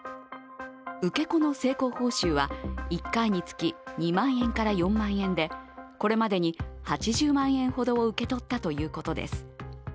受け子の成功報酬は１回につき２万円から４万円でこれまでに８０万円ほどを受け取ったということです。